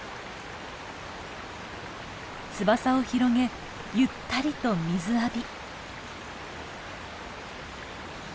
翼を広げゆったりと水浴び。